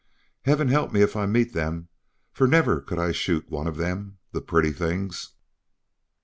Heaven help me if I meet them, for never could I shoot at one of them, the pretty things!"